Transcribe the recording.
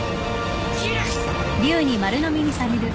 斬る！